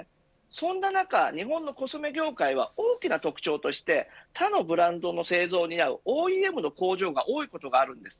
そんな中、日本のコスメ業界は大きな特徴として他のブランドの製造を担うＯＥＭの工場が多いことがあるんです。